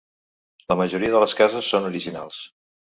La majoria de les cases són originals.